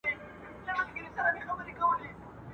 لږ به خورم ارام به اوسم.